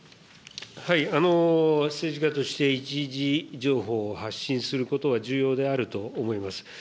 政治家として一次情報を発信することは重要であると思います。